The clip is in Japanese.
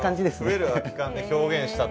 「増える空き缶」で表現したと。